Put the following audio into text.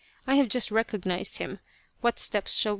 I have just recognized him. What steps shall we take